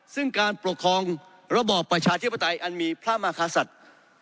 ซึ่งการปลดทองระบอบประชาเทียบปไตยอันมีพระมาคาศัตริย์